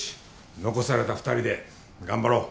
残された２人で頑張ろう。